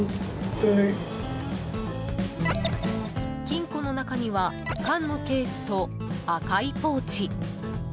金庫の中には缶のケースと赤いポーチ。